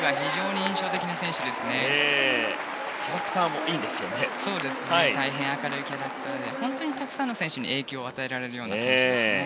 大変明るいキャラクターで本当にたくさんの選手に影響を与えられる選手ですね。